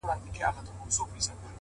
ظاهر سپین وي په باطن توره بلا وي -